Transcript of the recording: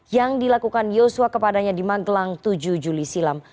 yang dilakukan yosua kepadanya di magelang tujuh juli silam